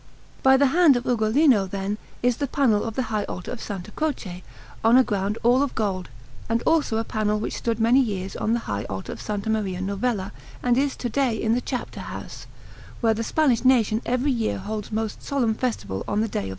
By the hand of Ugolino, then, is the panel of the high altar of S. Croce, on a ground all of gold, and also a panel which stood many years on the high altar of S. Maria Novella and is to day in the Chapter house, where the Spanish nation every year holds most solemn festival on the day of S.